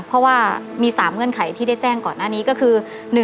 เพราะว่ามี๓เงื่อนไขที่ได้แจ้งก่อนหน้านี้ก็คือ